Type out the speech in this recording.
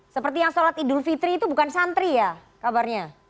seperti yang sholat idul fitri itu bukan santri ya kabarnya